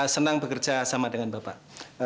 senang bekerja sama dengan bapak